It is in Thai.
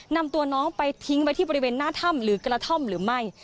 นำตัวน้องไปทิ้งไว้ที่บริเวณหน้าถ้ำหรือกระท่อมหรือไม่